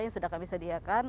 yang sudah kami sediakan